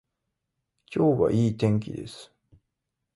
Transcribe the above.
今日はいい天気です。